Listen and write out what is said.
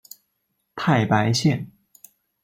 太白线